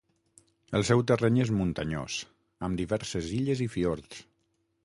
El seu terreny és muntanyós, amb diverses illes i fiords.